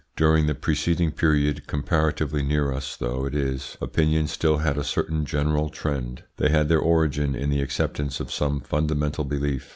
During the preceding period, comparatively near us though it is, opinions still had a certain general trend; they had their origin in the acceptance of some fundamental belief.